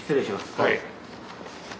はい。